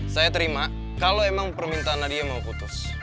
saya terima kalau memang permintaan nadia mau putus